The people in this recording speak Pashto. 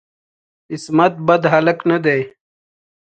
عصمت بد هلک نه دی.